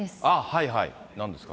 はいはい、なんですか。